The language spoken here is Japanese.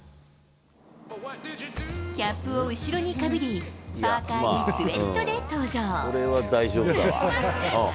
キャップを後ろにかぶり、パーカーにスウェットで登場。